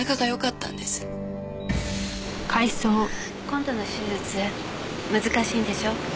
今度の手術難しいんでしょう？